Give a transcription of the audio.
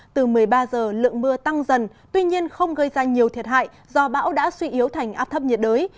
từ một mươi ba h lượng mưa tăng dần tuy nhiên không gây ra nhiều thiệt hại do bão đã suy yếu thành áp thấp nhiệt đới